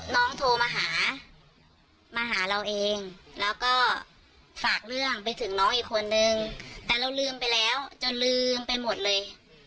โทรมาหามาหาเราเองแล้วก็ฝากเรื่องไปถึงน้องอีกคนนึงแต่เราลืมไปแล้วจนลืมไปหมดเลย